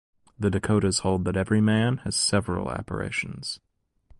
The Dakotas hold that every man has several apparitions.